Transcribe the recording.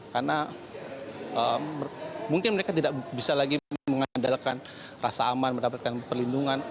karena mungkin mereka tidak bisa lagi mengandalkan rasa aman mendapatkan perlindungan